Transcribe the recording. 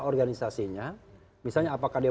organisasinya misalnya apakah dia